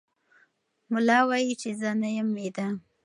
ملا وایي چې زه نه یم ویده.